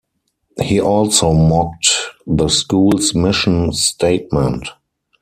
He also mocked the school's mission statement.